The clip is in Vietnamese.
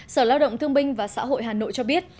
sở lao động thương binh và xã hội hà nội cho biết